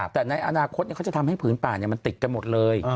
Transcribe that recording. แต่ในอนาคตเขาจะทำให้ผืนป่ามันติดกันหมดเลย